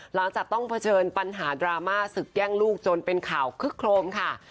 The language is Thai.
หลังจากต้องเผชิญปัญหาดราม่าศึกแย่งลูกจนเป็นข่าวคึกโครมค่ะ